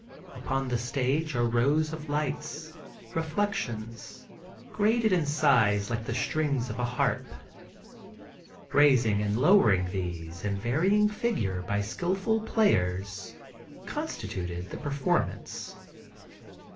Upon the stage are rows of lights (reflections) graded in size like the string of a harp. Raising and lowering these in varying figure by skilful players constituted the performance.